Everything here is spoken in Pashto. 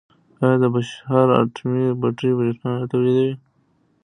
آیا د بوشهر اټومي بټۍ بریښنا نه تولیدوي؟